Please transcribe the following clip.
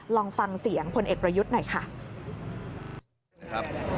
ลองฟังเสียงพลเอกประยุทธ์หน่อยค่ะ